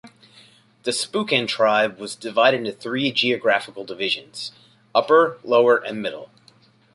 The Spokane tribe was divided into three geographic divisions, upper, lower, and middle.